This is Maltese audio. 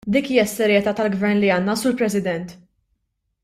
Dik hija s-serjetà tal-Gvern li għandna, Sur President!